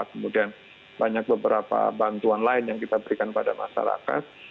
kemudian banyak beberapa bantuan lain yang kita berikan pada masyarakat